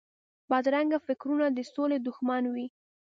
بدرنګه فکرونه د سولې دښمن وي